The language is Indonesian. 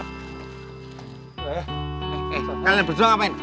kalian berdua ngapain